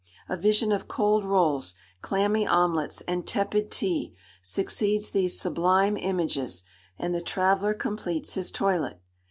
A vision of cold rolls, clammy omelettes, and tepid tea, succeeds these sublime images, and the traveller completes his toilet.